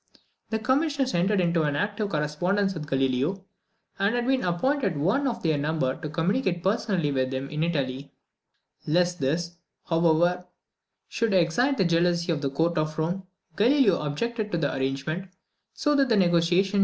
The commissioners entered into an active correspondence with Galileo, and had even appointed one of their number to communicate personally with him in Italy. Lest this, however, should excite the jealousy of the court of Rome, Galileo objected to the arrangement, so that the negociation was carried on solely by correspondence.